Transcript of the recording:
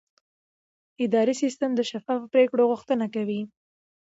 اداري سیستم د شفافو پریکړو غوښتنه کوي.